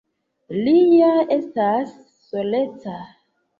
Li ja estas soleca.